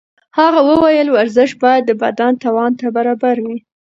هغې وویل ورزش باید د بدن توان ته برابر وي.